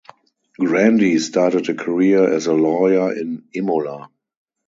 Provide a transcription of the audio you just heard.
Grandi started a career as a lawyer in Imola.